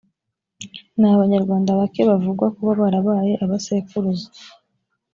ni abanyarwandakazi bake bavugwa kuba barabaye abasekuruza